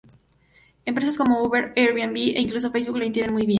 Empresas como Uber, Airbnb e incluso Facebook lo entienden muy bien.